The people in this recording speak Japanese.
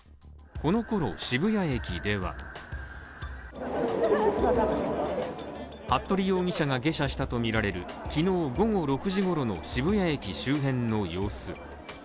この頃、渋谷駅ではこれを服部容疑者が下車したとみられるきのう午後６時ごろの渋谷駅周辺の様子。